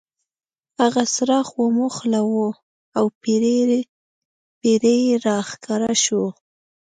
هغه څراغ وموښلو او پیری را ښکاره شو.